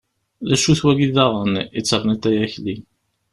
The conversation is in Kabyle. D acu-t wagi diɣen i d-terniḍ ay Akli?